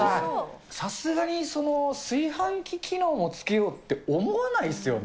さすがに、炊飯器機能をつけようって思わないですよね。